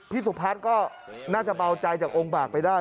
สุพัฒน์ก็น่าจะเบาใจจากองค์บากไปได้